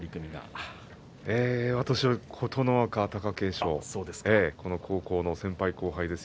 私は琴ノ若、貴景勝高校の先輩、後輩。